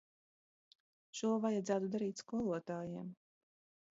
Šo vajadzētu darīt skolotājiem.